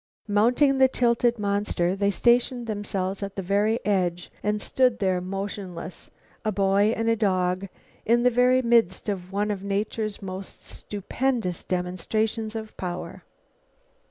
Mounting the tilting monster, they stationed themselves at its very edge and stood there motionless, a boy and a dog in the very midst of one of nature's most stupendous demonstrations of power.